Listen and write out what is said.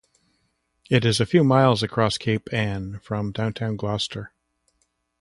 It is a few miles across Cape Ann from downtown Gloucester.